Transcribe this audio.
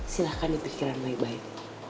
silahkan dipikiran baik baik